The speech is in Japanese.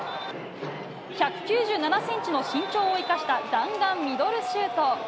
１９７ｃｍの身長を生かした弾丸ミドルシュート。